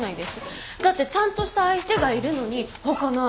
だってちゃんとした相手がいるのに他の。